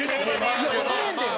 いや１年でよ？